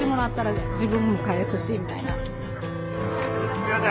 すいません。